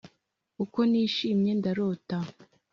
uko nishimye ndarota